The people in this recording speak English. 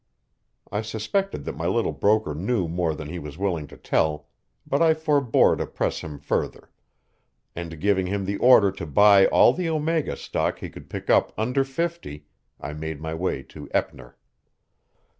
I suspected that my little broker knew more than he was willing to tell, but I forbore to press him further; and giving him the order to buy all the Omega stock he could pick up under fifty, I made my way to Eppner.